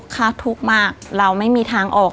ทุกข์มากเราไม่มีทางออก